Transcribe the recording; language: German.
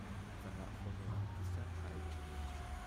Sein Nachfolger wurde Christian Heidel.